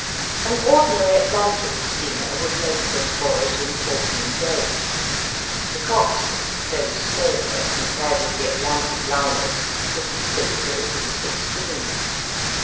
An ordinary Atlantic steamer would make this voyage in fourteen days. The Coptic, though small as compared with the Atlantic liners, could easily do it in sixteen.